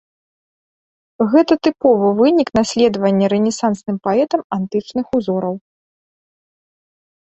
Гэта тыповы вынік наследавання рэнесансным паэтам антычных узораў.